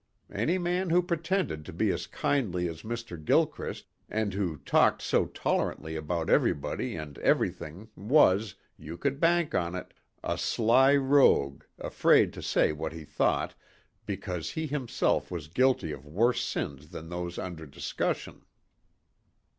Any man who pretended to be as kindly as Mr. Gilchrist and who talked so tolerantly about everybody and everything was, you could bank on it, a sly rogue afraid to say what he thought because he himself was guilty of worse sins than those under discussion.